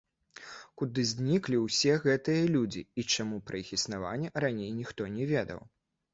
Куды зніклі ўсе гэтыя людзі, і чаму пра іх існаванне раней ніхто не ведаў?